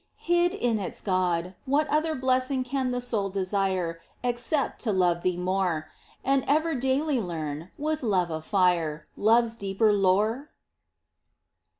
Hid in its God, What other blessing can the soul desire Except to love Thee more, And ever daily learn, with love afire, Love's deeper lore